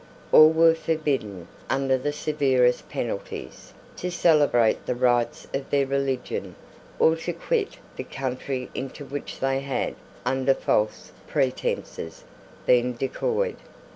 All were forbidden, under the severest penalties, to celebrate the rites of their religion, or to quit the country into which they had, under false pretences, been decoyed.